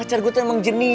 terus apa berani sih